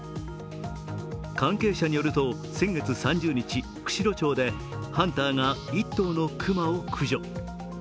関係者によると先月３０日、釧路町でハンターが１頭の熊を駆除。